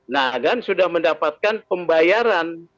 nah dan sudah mendapatkan pembayaran